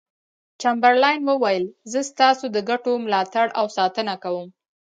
چمبرلاین وویل زه ستاسو د ګټو ملاتړ او ساتنه کوم.